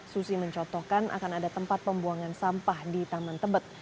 susi mencontohkan akan ada tempat pembuangan sampah di taman tebet